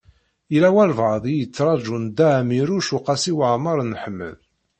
Yella walebɛaḍ i yettṛajun Dda Ɛmiiruc u Qasi Waɛmer n Ḥmed.